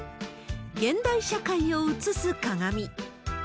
現代社会を映す鏡。